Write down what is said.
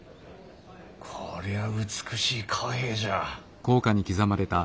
こりゃ美しい貨幣じゃ。